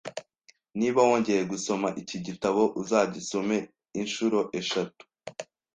Niba wongeye gusoma iki gitabo, uzagisoma inshuro eshatu.